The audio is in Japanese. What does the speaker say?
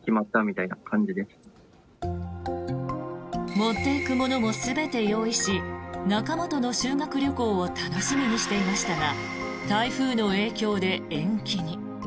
持っていくものも全て用意し仲間との修学旅行を楽しみにしていましたが台風の影響で延期に。